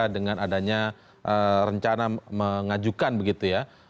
dengan adanya rencana mengajukan begitu ya